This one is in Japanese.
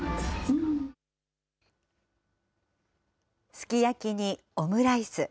すき焼きにオムライス。